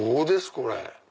これ。